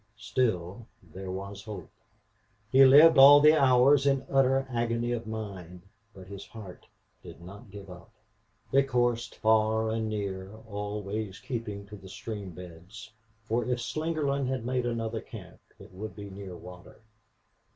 Still, there was hope! He lived all the hours in utter agony of mind, but his heart did not give up. They coursed far and near, always keeping to the stream beds, for if Slingerland had made another camp it would be near water.